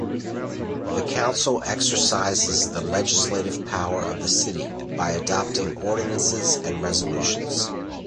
The council exercises the legislative power of the city by adopting ordinances and resolutions.